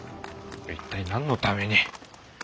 一体何のために？